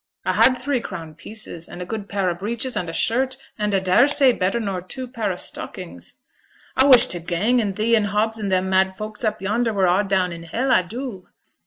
A had three crown pieces, and a good pair o' breeches, and a shirt, and a dare say better nor two pair o' stockings. A wish t' gang, and thee, and Hobbs and them mad folk up yonder, were a' down i' hell, a do.'